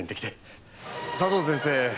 佐藤先生